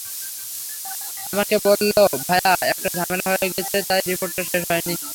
আমাকে বলল, ভাইয়া একটা ঝামেলা হয়ে গেছে তাই রিপোর্টটা শেষ হয়নি।